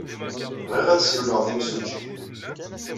Bɣiɣ ad ssiwleɣ ed yimsujji.